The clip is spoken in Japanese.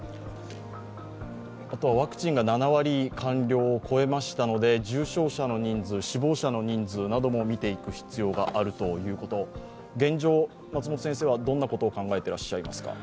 ワクチンが７割完了を超えましたので重症者の人数、死亡者の人数も見ていく必要があるとなると現状、松本先生はどんなことを考えてらっしゃいますか？